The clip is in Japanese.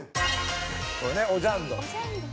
「これねオジャンドン」